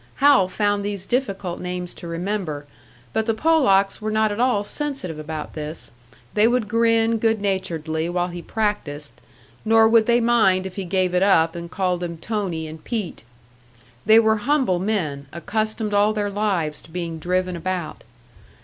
Hal found these difficult names to remember, but the Polacks were not at all sensitive about this; they would grin good naturedly while he practised, nor would they mind if he gave it up and called them Tony and Pete. They were humble men, accustomed all their lives to being driven about.